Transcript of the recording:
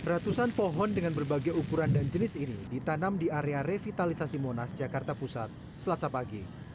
ratusan pohon dengan berbagai ukuran dan jenis ini ditanam di area revitalisasi monas jakarta pusat selasa pagi